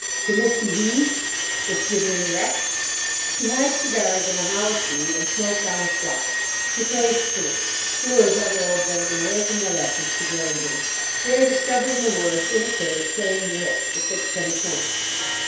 "Can this be he! This gibbering wreck!" He hides cigars in a hollow tree, and smokes on the sly. He plays truant. Lures other old gentlemen away from their lessons to join him. They are discovered in the woods, in a cave, playing whist for sixpenny points.